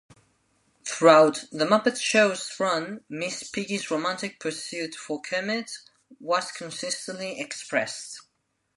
Throughout "The Muppet Show"'s run, Miss Piggy's romantic pursuit for Kermit was consistently expressed.